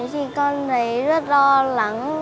thì con thấy rất lo lắng